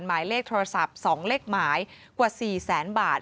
หมายเลขโทรศัพท์๒เลขหมายกว่า๔แสนบาท